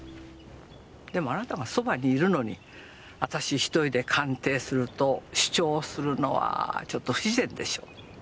でもあなたがそばにいるのに私一人で鑑定すると主張するのはちょっと不自然でしょ。